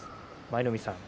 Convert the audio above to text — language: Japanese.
舞の海さん